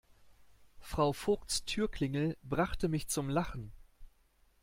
Frau Vogts Türklingel brachte mich zum Lachen.